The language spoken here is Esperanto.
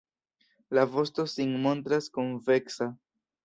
La vosto sin montras konveksa.